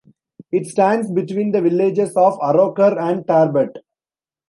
It stands between the villages of Arrochar and Tarbet.